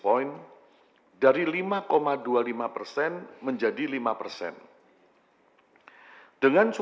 kami berharap bapak ibu bapak ibu yang telah menerima pertumbuhan di sini